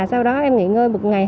sau đó em nghỉ ngơi một ngày